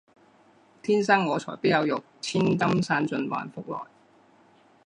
天生我材必有用，千金散尽还复来